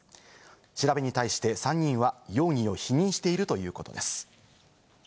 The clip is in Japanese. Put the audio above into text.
調べに対して３人は容疑を否認しているということです。